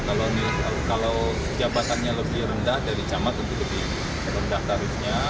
kalau jabatannya lebih rendah dari camat lebih rendah tarifnya